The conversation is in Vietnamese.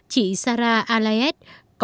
chị sara alaed